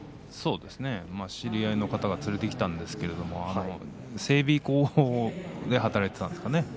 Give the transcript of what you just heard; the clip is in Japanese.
そうですね知り合いの方が連れてきたんですけれど整備工で働いていたんですね